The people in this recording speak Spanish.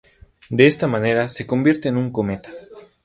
De esta manera, se convierte en un cometa.